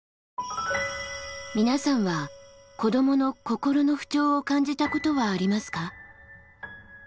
皆さんは子どもの心の不調を感じたことはありますか？